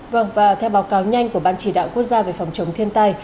vâng và theo báo cáo nhanh của ban chỉ đạo quốc gia về phòng chống thiên tai